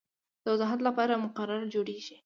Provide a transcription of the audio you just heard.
د وضاحت لپاره مقرره جوړیږي.